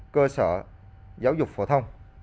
cơ sở giáo dục phổ thông